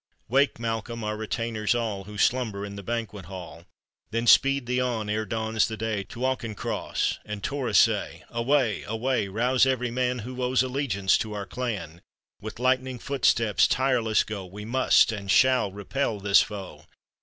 " Wake, Malcolm, our retainers all, Who slumber in the banquet hall, Then speed thee on, ere dawns the day, To Auchnacross and Torosay; Away! away I rouse every man Who owes allegiance to our clan; With lightning footsteps tireless go, We must and shall repel this foe!"